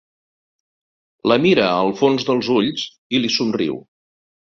La mira al fons dels ulls i li somriu.